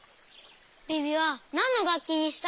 ビビはなんのがっきにしたの？